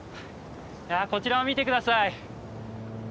こちらを見て下さい。